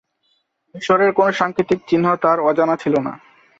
মিশরের কোন সাংকেতিক চিহ্ন তার অজানা ছিল না।